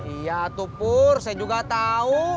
iya tupur saya juga tahu